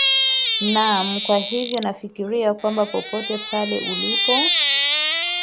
naam kwa hivyo nafikiri kwamba popote pale ulipo